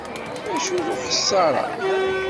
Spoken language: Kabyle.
Acu-t uxessar-a?